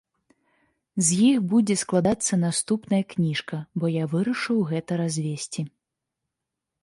З іх будзе складацца наступная кніжка, бо я вырашыў гэта развесці.